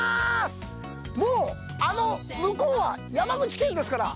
もうあの向こうは山口県ですから。